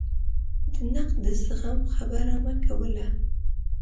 د نقد د زغم خبره مې کوله.